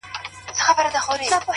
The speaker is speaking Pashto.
كله.!كله يې ديدن تــه لـيونـى سم.!